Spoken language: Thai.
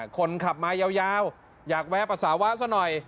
คนขับมายาวอยากแวะปัสสาวะซะหน่อย